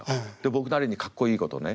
僕なりにかっこいいことをね。